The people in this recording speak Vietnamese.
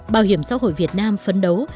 bảo hiểm xã hội việt nam phấn đấu